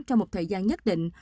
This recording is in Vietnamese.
trong một thời gian nhất định